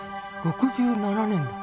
６７年だ。